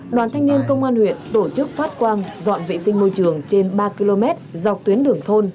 đoàn thanh niên công an huyện tổ chức phát quang dọn vệ sinh môi trường trên ba km dọc tuyến đường thôn